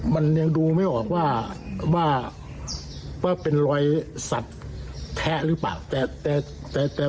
มันยังดูไม่ออกว่าว่าเป็นรอยสัตว์แพะหรือเปล่าแต่แต่